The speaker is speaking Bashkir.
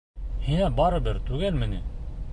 — Һиңә барыбер түгелме ни?